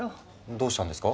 どうしたんですか？